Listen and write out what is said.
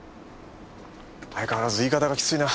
相変わらず言い方がきついな。